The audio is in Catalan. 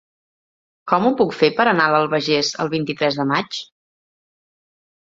Com ho puc fer per anar a l'Albagés el vint-i-tres de maig?